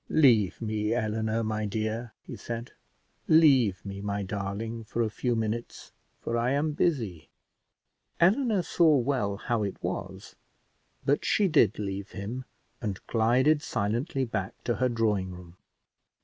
"Leave me, Eleanor, my dear," he said; "leave me, my darling, for a few minutes, for I am busy." Eleanor saw well how it was, but she did leave him, and glided silently back to her drawing room.